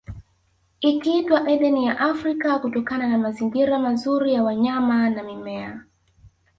Ikiitwa Edeni ya Afrika kutokana na mazingira mazuri ya wanyama na mimea